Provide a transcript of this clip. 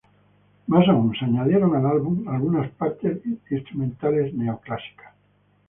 Más aún, algunas partes instrumentales neoclásicas fueron añadidas en el álbum.